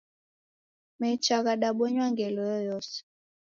Mecha ghadabonywa ngelo yoyose.